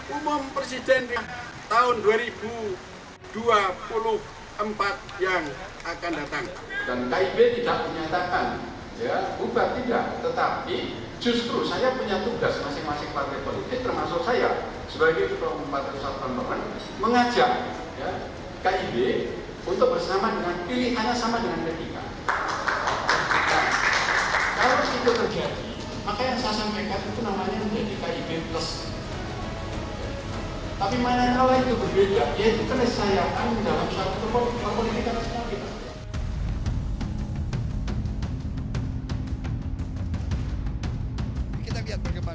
ubah tidak tetapi justru saya punya tugas masing masing partai politik termasuk saya